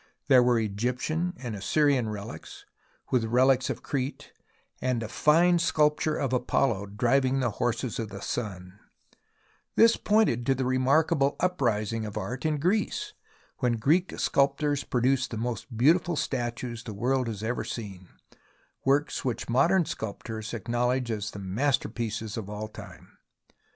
There were Egyptian and Assyrian relics, with relics of Crete, and a fine sculpture of Apollo driving the horses of the Sun, which pointed to the remarkable uprising of art in Greece, when Greek sculptors produced the most beautiful statues the world has ever seen, works which modern sculptors acknow ledge as the masterpieces of all time.